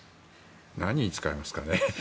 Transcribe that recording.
何に使いますかね。